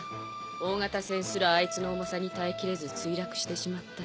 大型船すらあいつの重さに耐えきれず墜落してしまった。